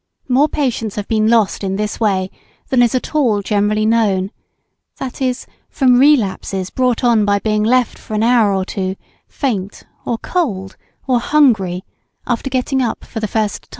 More patients have been lost in this way than is at all generally known, viz., from relapses brought on by being left for an hour or two faint, or cold, or hungry, after getting up for the first time.